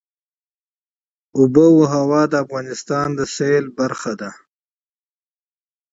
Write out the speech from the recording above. آب وهوا د افغانستان د سیلګرۍ برخه ده.